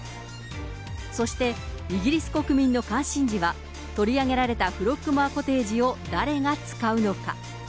そして、イギリス国民の関心事は、取り上げられたフロッグモア・コテージを誰が使うのか。